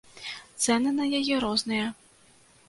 Цэны на яе розныя.